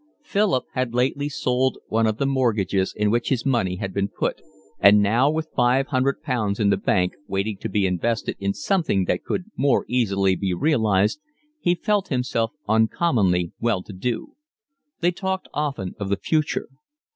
Philip had lately sold one of the mortgages in which his money had been put; and now, with five hundred pounds in the bank waiting to be invested in something that could be more easily realised, he felt himself uncommonly well to do. They talked often of the future.